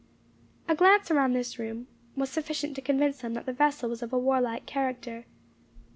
A glance around this room was sufficient to convince them that the vessel was of a warlike character.